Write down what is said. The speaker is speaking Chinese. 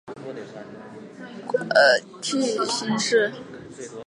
乳铁蛋白的许多功能特性取决于其寡聚态形式。